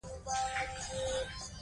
موږ باید له خپلو خویندو ملاتړ وکړو.